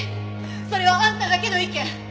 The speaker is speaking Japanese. それはあんただけの意見！